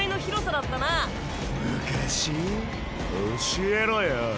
教えろよぉ。